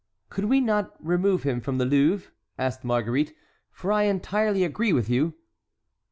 "Could we not remove him from the Louvre?" asked Marguerite, "for I entirely agree with you!"